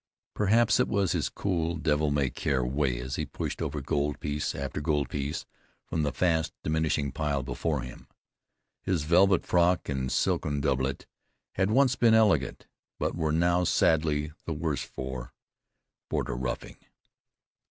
Perhaps it was his cool, devil may care way as he pushed over gold piece after gold piece from the fast diminishing pile before him. His velvet frock and silken doublet had once been elegant; but were now sadly the worse for border roughing.